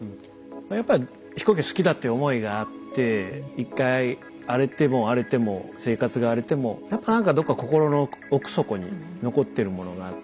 やっぱり飛行機が好きだっていう思いがあって１回荒れても荒れても生活が荒れてもやっぱなんかどっか心の奥底に残ってるものがあって